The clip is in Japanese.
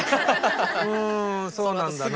うんそうなんだな。